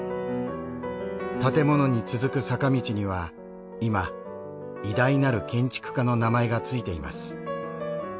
建物に続く坂道には今偉大なる建築家の名前がついています。